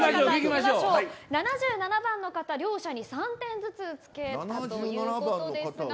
７７番の方、両者に３点ずつをつけたということです。